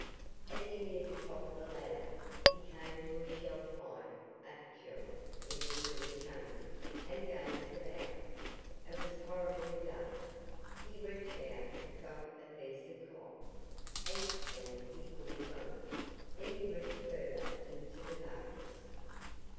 As he neared the top of the ladder, he came to a shelf like aperture in the sewer chamber, and gazed about. It was horribly dark. He reached out and felt a piece of cloth. Anxiously he pulled on it. Then he reached further into the darkness.